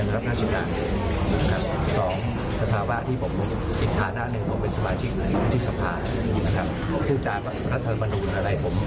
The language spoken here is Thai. นักข่าวนี้ก็ไปถามกันเอง